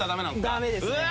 ダメですね。